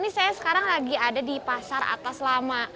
ini saya sekarang lagi ada di pasar atas lama